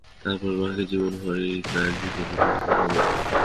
তারপর বাকি জীবনভর এই কাজ করে যেতে হবে।